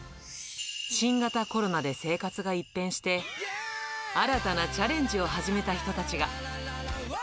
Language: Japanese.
新型コロナで生活が一変して、新たなチャレンジを始めた人たちが。